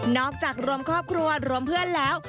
จากรวมครอบครัวรวมเพื่อนแล้ว